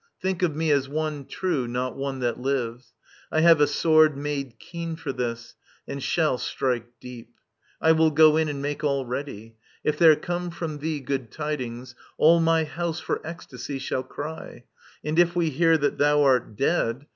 Think of me as one true, Not one that lives. I have a sword made keen For this, and shall strike deep. I will go in And make all ready. If there come from thee Good tidings, all my house for ecstasy Shall cry ; and if we hear that thou art dead.